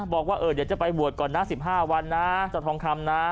บอกว่าเอ่อเดี๋ยวจะไปบวชก่อนนะสิบห้าวันนะจัดทองทำน้า